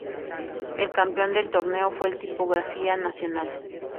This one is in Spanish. El campeón del torneo fue el Tipografía Nacional.